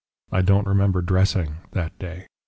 I don't remember dressing that day.